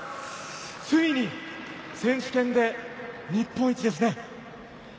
ついに選手権で日本一ですね。